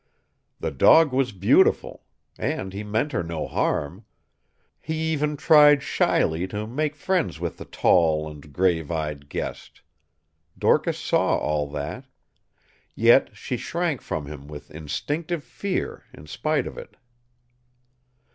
The dog was beautiful. And he meant her no harm. He even tried shyly to make friends with the tall and grave eyed guest. Dorcas saw all that. Yet she shrank from him with instinctive fear in spite of it.